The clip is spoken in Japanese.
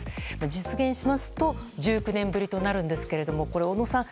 実現しますと１９年ぶりとなるんですけれども小野さん